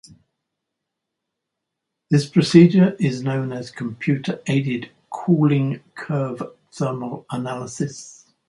This procedure is known as Computer-Aided Cooling Curve Thermal Analysis.